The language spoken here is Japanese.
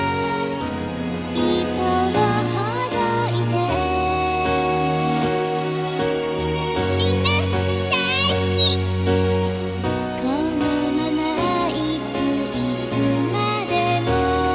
「糸をほどいて」「みんな大好き」「このままいついつまでも」